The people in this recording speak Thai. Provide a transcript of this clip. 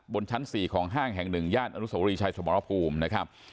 บนชั้น๔ของห้างแห่ง๑ย่านอนุสวรีชัยสมรภูมินะครับ